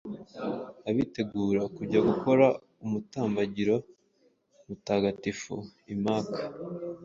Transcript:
abitegura kujya gukora umutambagiro mutagatifu i Makka